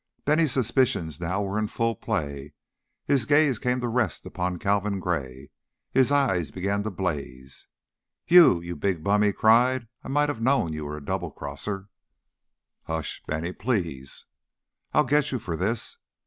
Bennie's suspicions now were in full play, and his gaze came to rest upon Calvin Gray; his eyes began to blaze. "You you big bum!" he cried. "I might have known you were a double crosser." "Hush, Bennie, please!" "I'll get you for this."